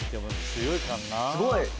すごい。